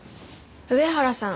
上原さん